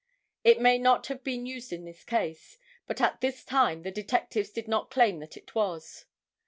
It may not have been used in this case, and at this time the detectives did not claim that it was.